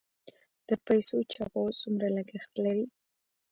د پیسو چاپول څومره لګښت لري؟